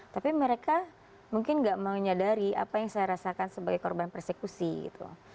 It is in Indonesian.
tapi mereka mungkin gak mau nyadari apa yang saya rasakan sebagai korban persekusi gitu